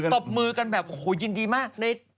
ตบมือกันแบบโอ้โหยินดีมากใน